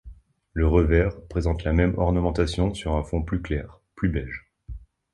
Le revers présente la même ornementation sur un fond plus clair, plus beige.